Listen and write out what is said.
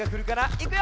いくよ！